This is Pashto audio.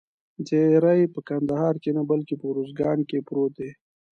تیری په کندهار کې نه بلکې په اوروزګان کې پروت دی.